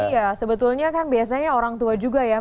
iya sebetulnya kan biasanya orang tua juga ya